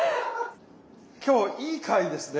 今日いい回ですね。